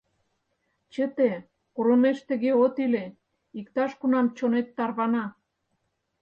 Чыте, курымеш тыге от иле, иктаж-кунам чонет тарвана.